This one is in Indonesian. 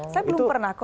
saya belum pernah ko